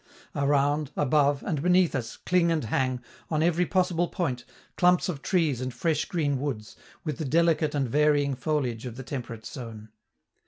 Around, above, and beneath us cling and hang, on every possible point, clumps of trees and fresh green woods, with the delicate and varying foliage of the temperate zone.